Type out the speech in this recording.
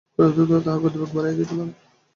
পরিবেশ অদ্ভুতভাবে তাহার গতিবেগ বাড়াইয়া দিতে পারে।